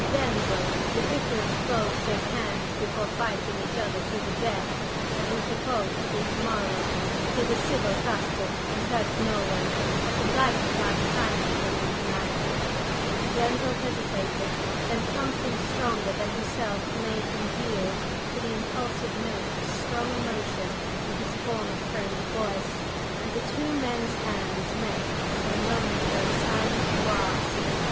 "Denzil, the bitterest foes shake hands before fighting each other to the death, as we propose to do to morrow; it is a civil custom and hurts no one. I should like to part kindly from you to night!" Denzil hesitated; then something stronger than himself made him yield to the impulsive note of strong emotion in his former friend's voice, and the two men's hands met in a momentary silent grasp.